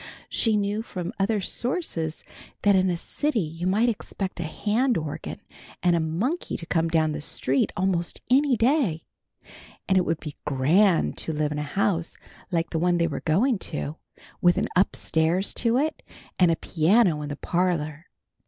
She knew from other sources that in a city you might expect a hand organ and a monkey to come down the street almost any day. And it would be grand to live in a house like the one they were going to, with an up stairs to it, and a piano in the parlor.